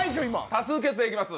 多数決でいきます。